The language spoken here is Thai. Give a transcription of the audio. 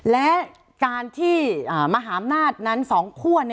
และการที่มหาอำนาจนั้น๒คั่ว